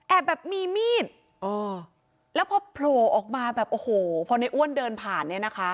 แบบมีมีดอ๋อแล้วพอโผล่ออกมาแบบโอ้โหพอในอ้วนเดินผ่านเนี่ยนะคะ